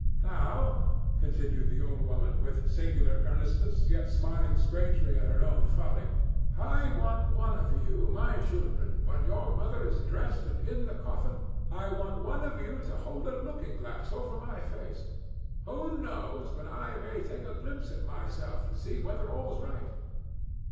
"Now," continued the old woman, with singular earnestness, yet smiling strangely at her own folly, "I want one of you, my children, when your mother is dressed and in the coffin,—I want one of you to hold a looking glass over my face. Who knows but I may take a glimpse at myself and see whether all's right?"